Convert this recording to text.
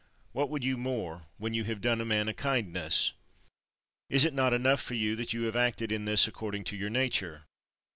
What would you more, when you have done a man a kindness? Is it not enough for you that you have acted in this according to your nature?